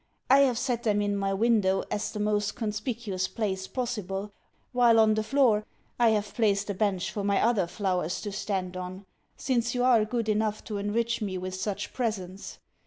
I have set them in my window as the most conspicuous place possible, while on the floor I have placed a bench for my other flowers to stand on (since you are good enough to enrich me with such presents).